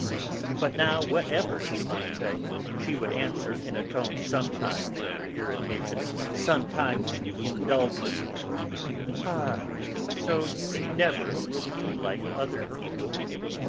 But, now, whatever he might say, she would answer, in a tone sometimes of irritation, sometimes indulgent: "Ah! so you never will be like other people!"